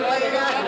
terima kasih pak